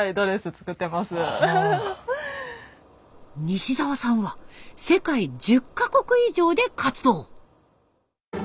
西沢さんは世界１０か国以上で活動。